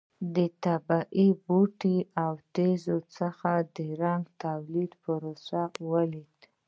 د طبیعي بوټو او تېږو څخه د رنګ تولید پروسه ولیدله.